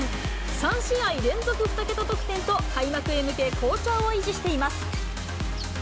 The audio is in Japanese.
３試合連続２桁得点と開幕へ向け好調を維持しています。